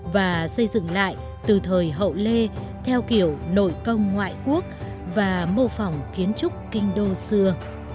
và xây dựng lại từ thời hậu lê theo kiểu nội công ngoại quốc và mô phỏng kiến trúc kinh đô xưa